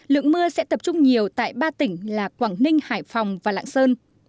lượng mưa sẽ tập trung nhiều tại ba tỉnh là quảng ninh hải phòng và lạng sơn